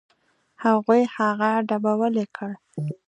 هغوی هغه ډبولی کړ.